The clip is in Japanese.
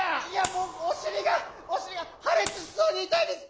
もうおしりがおしりがはれつしそうにいたいです！